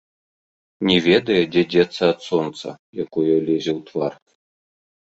Не ведае, дзе дзецца ад сонца, якое лезе ў твар.